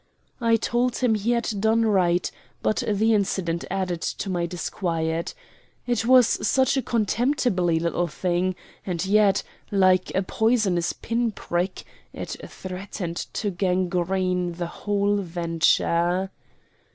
I told him he had done right, but the incident added to my disquiet. It was such a contemptibly little thing, and yet, like a poisonous pin prick, it threatened to gangrene the whole venture.